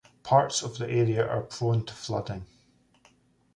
Parts of the area are prone to flooding.